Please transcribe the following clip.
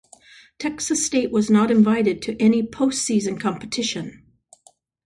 Texas State was not invited to any postseason competition.